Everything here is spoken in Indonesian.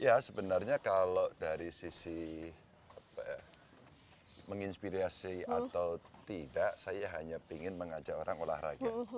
ya sebenarnya kalau dari sisi menginspirasi atau tidak saya hanya ingin mengajak orang olahraga